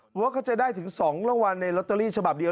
เพราะว่าเขาจะได้ถึง๒รางวัลในลอตเตอรี่ฉบับเดียว